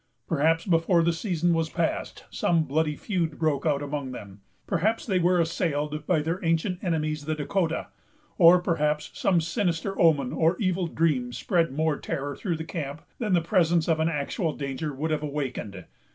Perhaps, before the season was past, some bloody feud broke out among them; perhaps they were assailed by their ancient enemies the Dahcotah; or perhaps some sinister omen or evil dream spread more terror through the camp than the presence of an actual danger would have awakened.